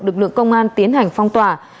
lực lượng công an tiến hành phong tỏa